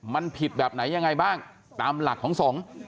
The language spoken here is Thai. มันผิดแบบไหนยังไงบ้างตามหลักของสงฆ์